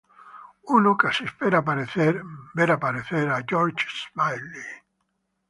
Uno casi espera aparecer a George Smiley".